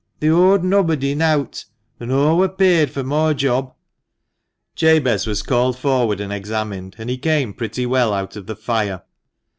They owed nobbody nowt, an' aw wur paid fur moi job." Jabez was called forward and examined, and he came pretty well out of the fire.